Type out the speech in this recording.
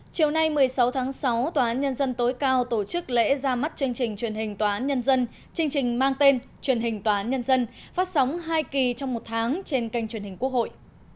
chiều nay một mươi sáu tháng sáu tòa án nhân dân tối cao tổ chức lễ ra mắt chương trình truyền hình tòa án nhân dân chương trình mang tên truyền hình tòa án nhân dân phát sóng hai kỳ trong một tháng trên kênh truyền hình quốc hội